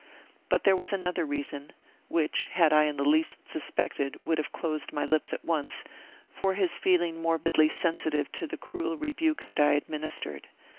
But there was another reason (which, had I in the least suspected it, would have closed my lips at once) for his feeling morbidly sensitive to the cruel rebuke that I administered.